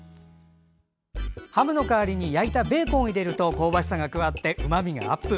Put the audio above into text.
ハムの代わりに焼いたベーコンを入れると香ばしさが加わってうまみがアップ。